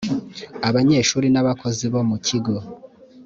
abanyeshuri n abakozi bo mukigo